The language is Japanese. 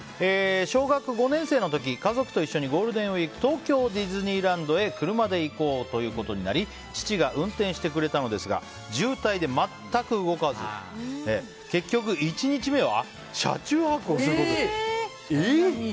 小学５年生の時家族と一緒にゴールデンウィーク東京ディズニーランドへ車で行こうということになり父が運転してくれたのですが渋滞で全く動かず結局、１日目は車中泊をすることに。